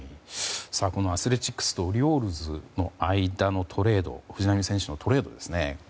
アスレチックスとオリオールズの間の藤浪選手のトレードですね。